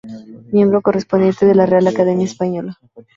Miembro correspondiente de la Real Academia Española.